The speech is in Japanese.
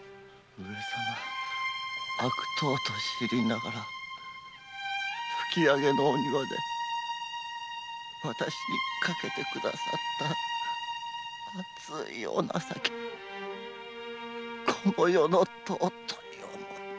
上様悪党と知りながら吹上のお庭で私にかけてくださった厚いお情けこの世の尊い思い出でございます。